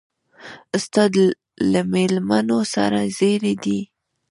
ستا له مېلمنو سره زېري دي.